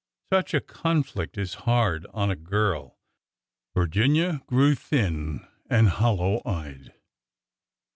Such a conflict is hard on a girl. Virginia grew thin and hollow eyed.